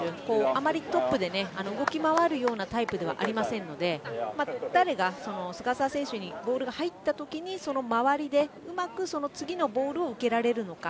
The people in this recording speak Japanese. あまりトップで動き回るようなタイプではありませんので菅澤選手にボールが入ったときにその周りで、うまく次のボールを受けられるのか。